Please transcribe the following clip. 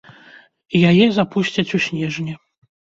Яе запусцяць у снежні.